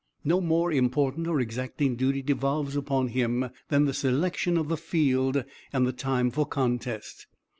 No more important or exacting duty devolves upon him than the selection of the field and the time for contest.